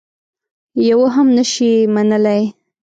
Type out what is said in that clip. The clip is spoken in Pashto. یوه هم نه شي منلای.